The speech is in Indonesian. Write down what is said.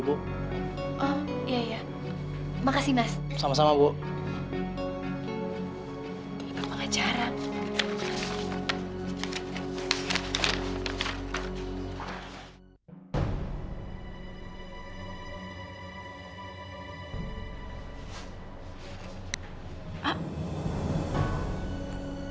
pak pengacara mengulurkan diri